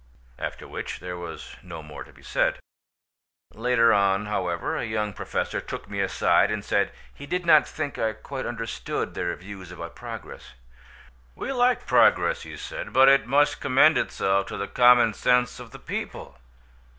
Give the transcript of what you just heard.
After which there was no more to be said. Later on, however, a young Professor took me aside and said he did not think I quite understood their views about progress. "We like progress," he said, "but it must commend itself to the common sense of the people.